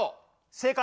正解。